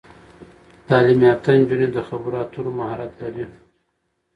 تعلیم یافته نجونې د خبرو اترو مهارت لري.